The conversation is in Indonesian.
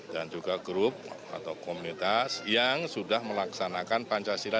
dan juga grup atau komunitas yang sudah melaksanakan pancasila